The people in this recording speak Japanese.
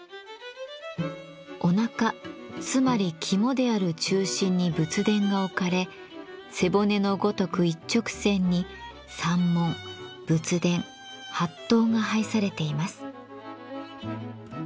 おなかつまり肝である中心に仏殿が置かれ背骨のごとく一直線に山門仏殿法堂が配されています。